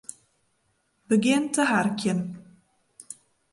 Begjin te harkjen.